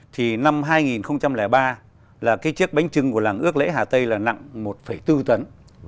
thì năm hai nghìn ba là cái chiếc bánh trưng của làng ước lễ hà tây là nặng một bốn tấn